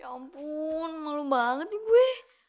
ya ampun malu banget nih gue